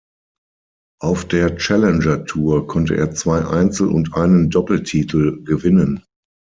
Auf der Challenger Tour konnte er zwei Einzel- und einen Doppeltitel gewinnen.